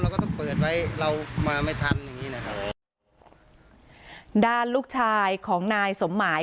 ก็ต้องเปิดไว้เรามาไม่ทันอย่างงี้นะครับด้านลูกชายของนายสมหมาย